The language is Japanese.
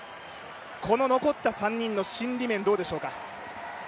この残った３人の心理面、どうでしょうか。